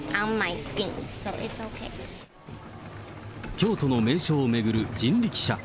京都の名所を巡る人力車。